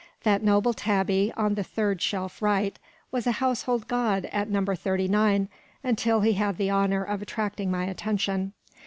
That noble tabby, on the third shelf right, was a household god at No. 39, until he had the honour of attracting my attention.